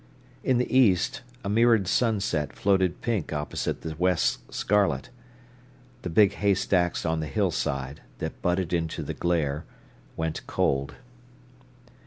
In the east, a mirrored sunset floated pink opposite the west's scarlet. The big haystacks on the hillside, that butted into the glare, went cold.